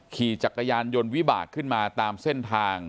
ขี่จักรยานยนต์วิบากขึ้นมาตามเส้นทาง